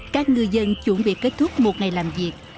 các ngư dân chuẩn bị kết thúc một ngày làm việc